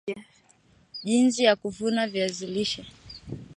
jinsi ya kuvuna viazi lishe